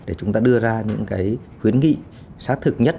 để chúng ta đưa ra những cái khuyến nghị xác thực nhất